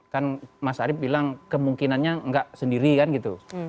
kan mas arief bilang kemungkinannya nggak sendiri kan gitu